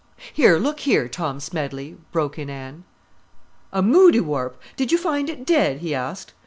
"Here, look here, Tom Smedley," broke in Anne. "A moudiwarp! Did you find it dead?" he asked.